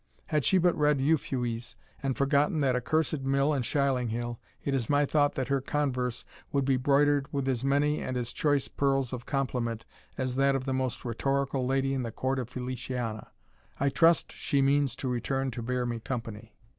Had she but read Euphues, and forgotten that accursed mill and shieling hill, it is my thought that her converse would be broidered with as many and as choice pearls of compliment, as that of the most rhetorical lady in the court of Feliciana. I trust she means to return to bear me company."